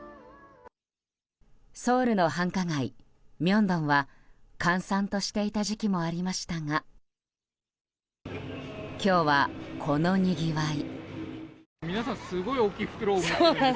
ソウルの繁華街、ミョンドンは閑散としていた時期もありましたが今日は、このにぎわい。